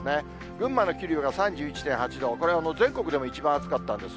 群馬の桐生は３１．８度、これは全国でも一番暑かったんです。